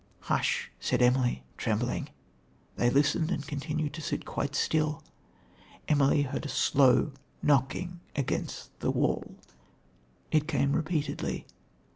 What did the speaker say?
'Hush!' said Emily, trembling. They listened and continued to sit quite still. Emily heard a slow knocking against the wall. It came repeatedly.